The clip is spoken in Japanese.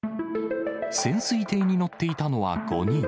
潜水艇に乗っていたのは５人。